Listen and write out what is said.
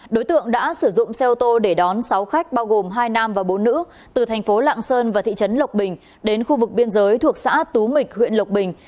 đối tượng đã sử dụng xe ô tô để đón sáu khách bao gồm hai nam và bốn nữ từ thành phố lạng sơn và thị trấn lộc bình đến khu vực biên giới thuộc xã tú mịch huyện lộc bình